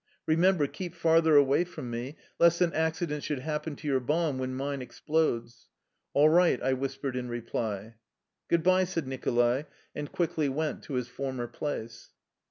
Remember, keep farther away from me, lest an accident should happen to your bomb when mine explodes." "All right," I whispered in reply. " Good by !" said Nicholai, and quickly went to his former place.